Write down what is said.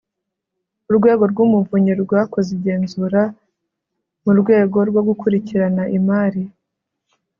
urwego rw umuvunyi rwakoze igenzura mu rwego rwo gukurikirana imari